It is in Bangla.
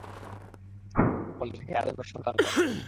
তারপর তারা বললেন, হে আদমের সন্তানগণ!